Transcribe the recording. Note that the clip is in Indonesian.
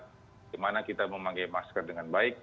bagaimana kita memakai masker dengan baik